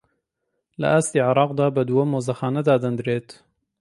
لەسەر ئاستی عێراقدا بە دووەم مۆزەخانە دادەنرێت